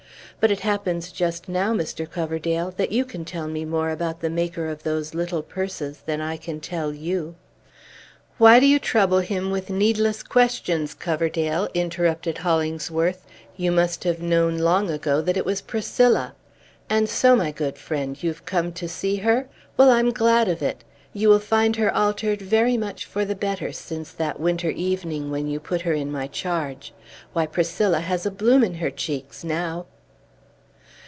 But it happens just now, Mr. Coverdale, that you can tell me more about the maker of those little purses than I can tell you." "Why do you trouble him with needless questions, Coverdale?" interrupted Hollingsworth. "You must have known, long ago, that it was Priscilla. And so, my good friend, you have come to see her? Well, I am glad of it. You will find her altered very much for the better, since that winter evening when you put her into my charge. Why, Priscilla has a bloom in her cheeks, now!"